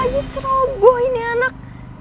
lagi ceroboh ini anak